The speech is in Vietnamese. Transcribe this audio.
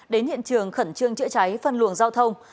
đến hiện trường khẩn trương chữa cháy phân luồng giao thông